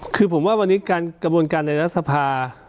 คือผมว่าวันนี้การกระบวนการในรัฐสภา